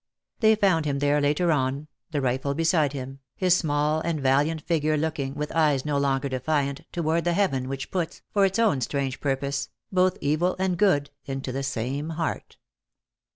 They found him there later on, the rifle beside him, his small and valiant figure looking, with eyes no longer defiant, toward the Heaven which puts, for its own strange purpose, both evil and good into the same heart.